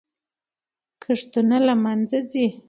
کښتونه له منځه ځي.